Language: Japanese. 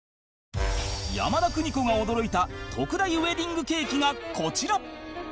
山田邦子が驚いた特大ウエディングケーキがこちら！